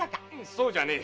そうじゃねえ。